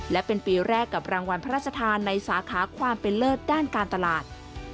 และเป็นปีแรกกับรางวัลพระราชทานในสาขาความเป็นเลิศด้านการตลาด